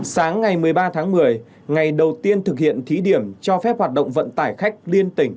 sáng ngày một mươi ba tháng một mươi ngày đầu tiên thực hiện thí điểm cho phép hoạt động vận tải khách liên tỉnh